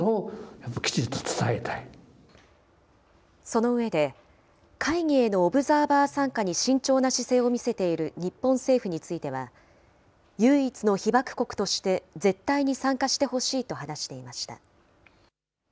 その上で、会議へのオブザーバー参加に慎重な姿勢を見せている日本政府については、唯一の被爆国として、絶対に参加してほしいと話していました。